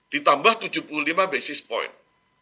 ditambah tujuh puluh lima basis point